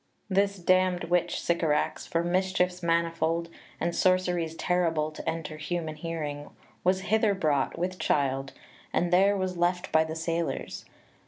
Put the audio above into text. . This damn'd witch Sycorax, For mischiefs manifold and sorceries terrible To enter human hearing . was hither brought with child And there was left by the sailors.